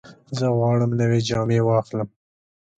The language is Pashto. زه غواړم نوې جامې واخلم.